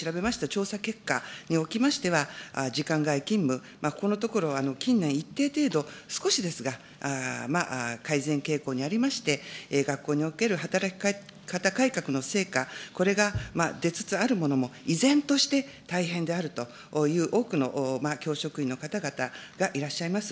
調査結果におきましては、時間外勤務、このところ、近年一定程度、少しですが、改善傾向にありまして、学校における働き方改革の成果、これが出つつあるものも、依然として大変であるという、多くの教職員の方々がいらっしゃいます。